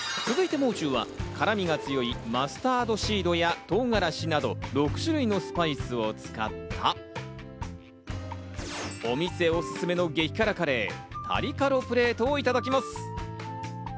続いてもう中は辛味が強い、マスタードシードや唐辛子など６種類のスパイスを使った、お店おすすめの激辛カレー、タリカロプレートをいただきます。